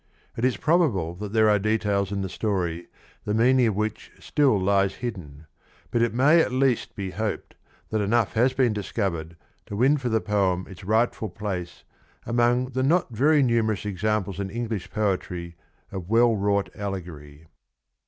It is probable that there are details in the story the meaning of which still lies hidden, but it may at least be hoped thit enough has been discovered to win for the poem its rightful place among the not very numerous examples in English poetry of well wrought allegory.